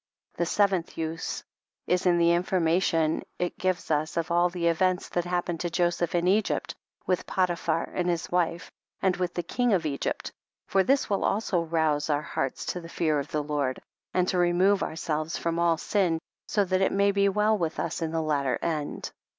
The seventh use is, in the information it gives us of all the events that happened to Joseph in Egypt, with Potiphar and his wife and with the king of Egypt, for this will also rouse our hearts to the fear of the Lord, and to remove ourselves from all sin, so that it may be well with us in the latter end.